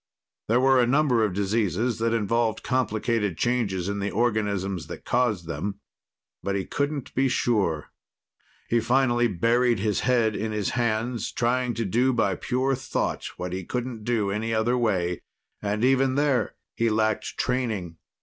There were a number of diseases that involved complicated changes in the organisms that caused them. But he couldn't be sure. He finally buried his head in his hands, trying to do by pure thought what he couldn't do in any other way. And even there, he lacked training.